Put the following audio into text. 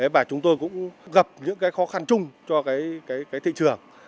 và chúng tôi cũng gặp những cái khó khăn chung cho cái thị trường